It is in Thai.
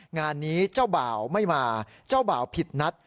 งานนี้เจ้าบ่าวไม่มาเจ้าบ่าวผิดนัด